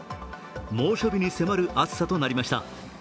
猛暑日に迫る暑さとなりました。